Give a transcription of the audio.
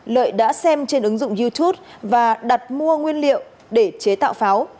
lợi đã xem trên ứng dụng youtube và đặt mua nguyên liệu để chế tạo pháo